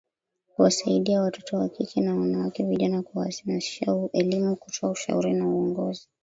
kuwasaidia watoto wa kike na wanawake vijana kuhamasisha elimu kutoa ushauri na uongozi